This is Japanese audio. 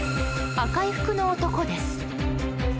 赤い服の男です。